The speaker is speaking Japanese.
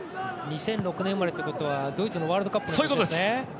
２００６年生まれということはドイツのワールドカップの年ですね。